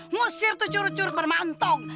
ngusir tuh curut curut bermantok